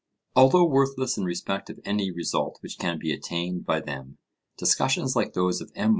Although worthless in respect of any result which can be attained by them, discussions like those of M.